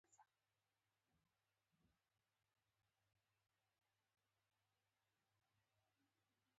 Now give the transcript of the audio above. ځواب ته را نېغ شو او یې وویل.